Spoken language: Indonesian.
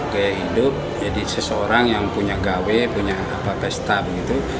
gaya hidup jadi seseorang yang punya gawe punya pesta begitu